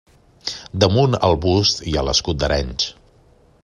Damunt el bust hi ha l'escut d'Arenys.